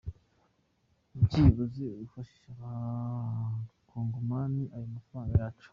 Byibuze ufashishe abakongomani ayo mafaranga yacu.